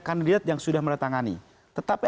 kandidat yang sudah menetangani tetapi